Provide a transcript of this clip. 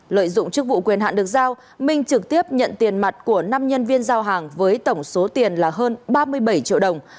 lợi dụng chức vụ quyền hạn được giao minh trực tiếp nhận tiền mặt của năm nhân viên giao hàng với tổng số tiền là hơn ba mươi bảy triệu đồng